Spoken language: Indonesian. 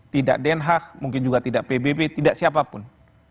tidak denhak mungkin juga tidak pbb tidak siapapun